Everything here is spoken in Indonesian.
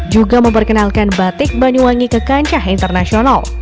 juga memperkenalkan batik banyuwangi ke kancah internasional